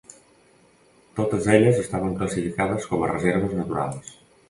Totes elles estan classificades com a reserves naturals.